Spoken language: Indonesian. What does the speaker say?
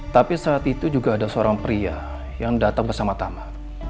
tapi saat itu juga ada seorang pria yang datang bersama tama